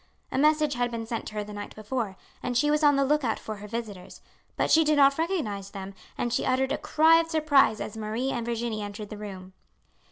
A message had been sent to her the night before, and she was on the look out for her visitors, but she did not recognize them, and she uttered a cry of surprise as Marie and Virginie entered the room.